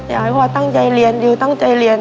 อยากให้พ่อตั้งใจเรียนดิวตั้งใจเรียน